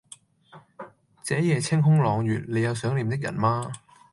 這夜清空朗月，你有想念的人嗎